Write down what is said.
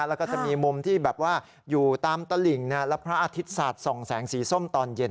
แล้วก็จะมีมุมที่แบบว่าอยู่ตามตลิ่งแล้วพระอาทิตย์ศาสตร์ส่องแสงสีส้มตอนเย็น